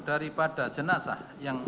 daripada jenazah yang